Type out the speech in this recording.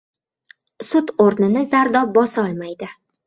Sut oʻrnini zardob bosolmaydi.